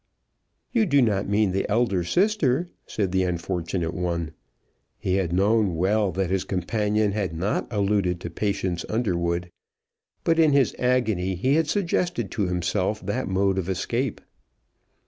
"You do not mean the elder sister?" said the unfortunate one. He had known well that his companion had not alluded to Patience Underwood; but in his agony he had suggested to himself that mode of escape.